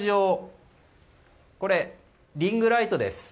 そして、リングライトです。